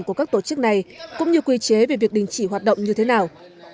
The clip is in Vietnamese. của các tổ chức này cũng như quy chế về việc đình chỉ hoạt động như thế nào